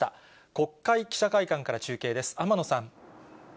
国会記者会館から中継です、天野さん。